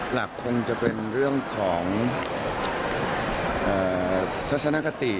หลักคงจะเป็นเรื่องของทัศนคติ